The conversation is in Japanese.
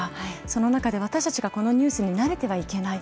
その中で私たちがこのニュースに慣れてはいけない。